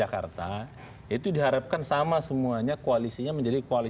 kami akan segera kembali